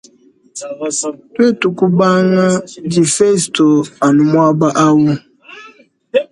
Twetu kubanga difesto anu mwaba awu.